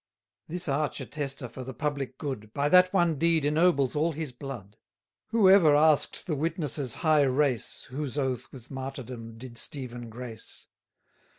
This arch attestor for the public good 640 By that one deed ennobles all his blood. Who ever ask'd the witness's high race, Whose oath with martyrdom did Stephen grace?